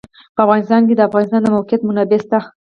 په افغانستان کې د د افغانستان د موقعیت منابع شته.